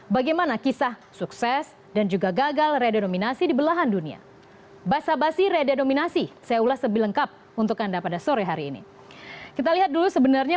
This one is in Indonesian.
bagaimana kisah sukses dan juga gagal redenominasi di belahan dunia